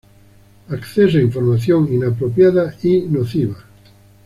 Acceso a información inapropiada y nociva.